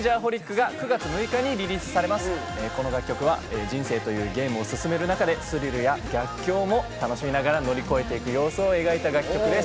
この楽曲は人生というゲームを進める中でスリルや逆境も楽しみながら乗り越えていく様子を描いた楽曲です。